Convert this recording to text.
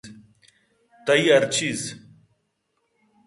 تئی ہر چیز